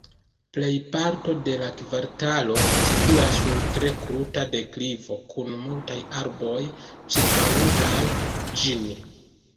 Plejparto de la kvartalo situas sur tre kruta deklivo kun multaj arboj ĉirkaŭantaj ĝin.